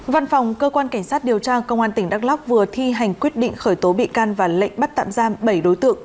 văn phòng cơ quan cảnh sát điều tra công an tỉnh đắk lóc vừa thi hành quyết định khởi tố bị can và lệnh bắt tạm giam bảy đối tượng